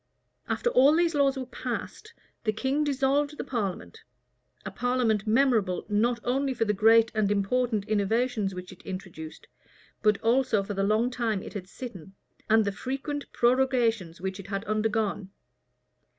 After all these laws were passed, the king dissolved the parliament; a parliament memorable, not only for the great and important innovations which it introduced, but also for the long time it had sitten, and the frequent prorogations which it had undergone.